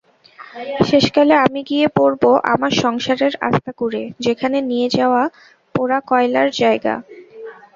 শেষকালে আমি গিয়ে পড়ব আমার সংসারের আঁস্তাকুড়ে, যেখানে নিবে-যাওয়া পোড়া কয়লার জায়গা।